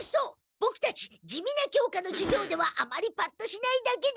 ボクたち地味な教科の授業ではあまりぱっとしないだけで。